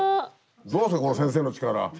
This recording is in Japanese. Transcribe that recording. どうですかこの先生の力。